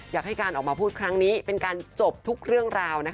อยากให้การออกมาพูดครั้งนี้เป็นการจบทุกเรื่องราว